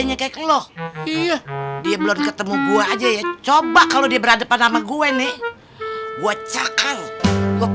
nyeket lo iya dia belum ketemu gue aja ya coba kalau dia berhadapan sama gue nih gue cekal gue